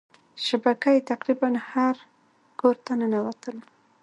شبکه یې تقريبا هر کورته ننوتله.